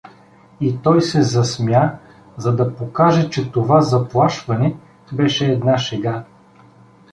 И той се засмя, за да покаже, че това заплашване беше една шега.